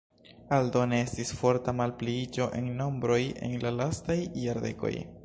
Aldone estis forta malpliiĝo en nombroj en la lastaj jardekoj.